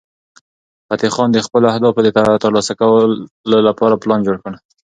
فتح خان د خپلو اهدافو د ترلاسه کولو لپاره پلان جوړ کړ.